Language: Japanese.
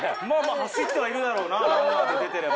走ってはいるだろうなランナーで出てれば。